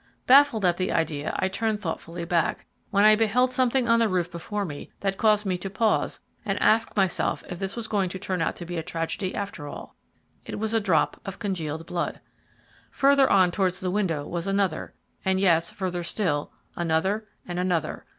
Baffled at the idea I turned thoughtfully back, when I beheld something on the roof before me that caused me to pause and ask myself if this was going to turn out to be a tragedy after all. It was a drop of congealed blood. Further on towards the window was another, and yes, further still, another and another.